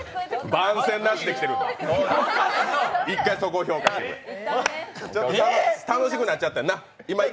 番宣なしで来てるから、１回、そこを評価してください。